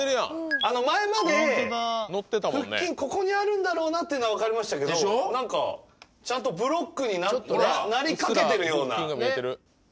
前まで腹筋ここにあるんだろうなってのは分かりましたけどちゃんとブロックになりかけてるような。